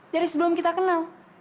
dari sebelum kita kenal